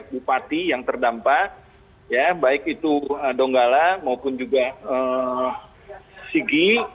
bupati yang terdampak ya baik itu donggala maupun juga sigi